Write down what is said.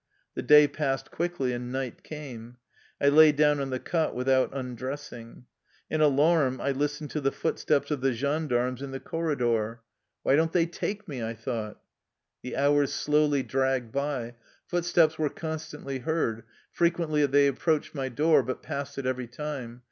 The day passed quickly, and night came. I lay down on the cot without undressing. In alarm I listened to the footsteps of the gendarmes in the corridor. 159 THE LIFE STOKY OF A EUSSIAN EXILE "Why don't they take me?" I thought. The hours slowly dragged by. Footsteps were con stantly heard; frequently they approached my door, but passed it every time.